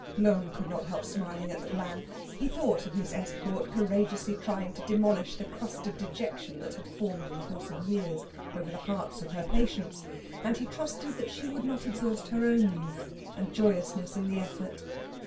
Lohm could not help smiling at the plan. He thought of Miss Estcourt courageously trying to demolish the crust of dejection that had formed in the course of years over the hearts of her patients, and he trusted that she would not exhaust her own youth and joyousness in the effort.